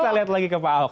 kita lihat lagi ke pak agus